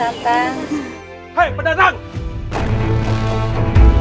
terima kasih rara santam